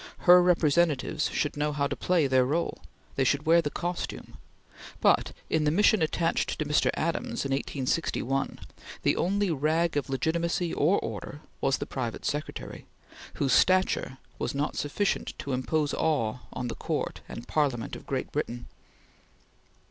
Her representatives should know how to play their role; they should wear the costume; but, in the mission attached to Mr. Adams in 1861, the only rag of legitimacy or order was the private secretary, whose stature was not sufficient to impose awe on the Court and Parliament of Great Britain.